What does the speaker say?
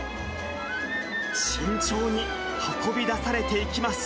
慎重に運び出されていきます。